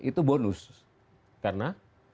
itu bonus karena